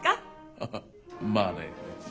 ハハまあね。